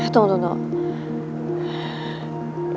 tunggu tunggu tunggu